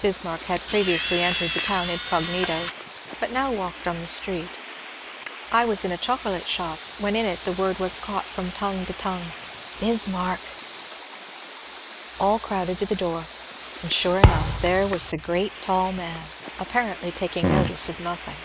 Bismarck had previously entered the town incognito, but now walked on the street. I was in a chocolate shop when in it the word was caught from tongue to tongue —' Bismarck I " All crowded to the door, and sure enough, there was the great tall man, apparently taking notice of nothing.